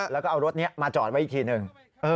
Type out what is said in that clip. แล้วก็เอารถนี้มาจอดไว้อีกทีหนึ่ง